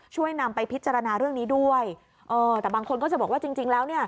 ช่วยนำไปพิจารณาเรื่องนี้ด้วยแต่บางคนก็จะบอกว่าจริงแล้ว